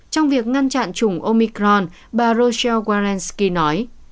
trong việc ngăn chặn chủng omicron bà rochelle walensky nói